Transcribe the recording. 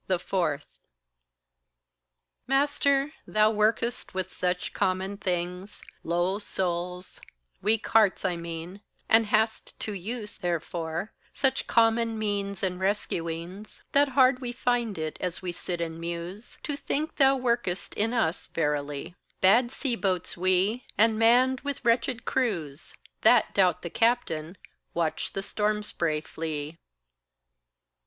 4. Master, thou workest with such common things Low souls, weak hearts, I mean and hast to use, Therefore, such common means and rescuings, That hard we find it, as we sit and muse, To think thou workest in us verily: Bad sea boats we, and manned with wretched crews That doubt the captain, watch the storm spray flee.